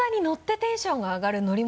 テンションが上がる乗り物？